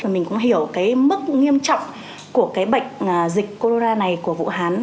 mình cũng hiểu cái mức nghiêm trọng của cái bệnh dịch corona này của vũ hán